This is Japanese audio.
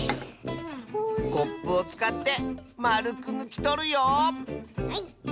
コップをつかってまるくぬきとるよはい。